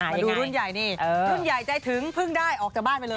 มาดูรุ่นใหญ่นี่รุ่นใหญ่ใจถึงเพิ่งได้ออกจากบ้านไปเลย